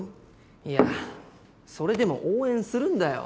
いやそれでも応援するんだよ。